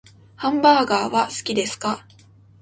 ハンバーガーは好きですか？